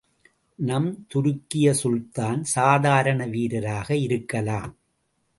நம் துருக்கிய சுல்தான் சாதாரண வீரராக இருக்கலாம்.